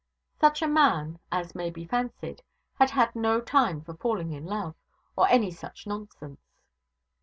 Such a man, as may be fancied, had had no time for falling in love, or any such nonsense.